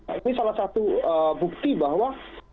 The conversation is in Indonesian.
nah ini salah satu bukti bahwa